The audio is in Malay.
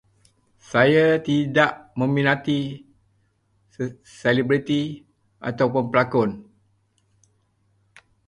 Saya tidak meminati se- selebriti ataupun pelakon.